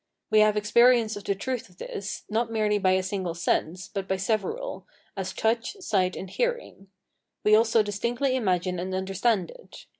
We have experience of the truth of this, not merely by a single sense, but by several, as touch, sight, and hearing: we also distinctly imagine and understand it.